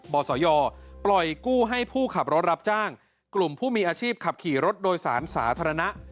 สยปล่อยกู้ให้ผู้ขับรถรับจ้างกลุ่มผู้มีอาชีพขับขี่รถโดยสารสาธารณะ